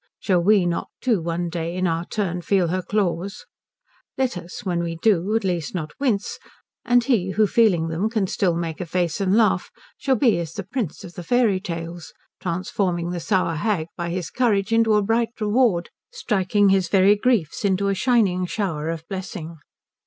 Shall we not too one day in our turn feel her claws? Let us when we do at least not wince; and he who feeling them can still make a face and laugh, shall be as the prince of the fairy tales, transforming the sour hag by his courage into a bright reward, striking his very griefs into a shining shower of blessing.